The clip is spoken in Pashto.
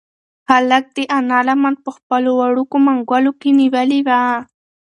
هلک د انا لمن په خپلو وړوکو منگولو کې نیولې وه.